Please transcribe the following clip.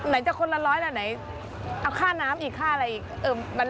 ไหนจะคนละร้อยละไหนเอาค่าน้ำอีกค่าอะไรอีก